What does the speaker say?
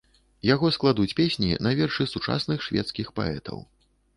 Яго складуць песні на вершы сучасных шведскіх паэтаў.